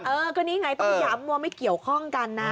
เออก็นี่ไงต้องย้ำว่าไม่เกี่ยวข้องกันนะ